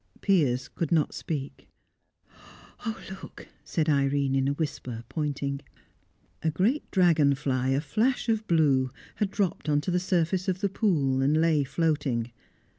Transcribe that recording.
Piers could not speak. "Look!" said Irene, in a whisper, pointing. A great dragon fly, a flash of blue, had dropped on to the surface of the pool, and lay floating.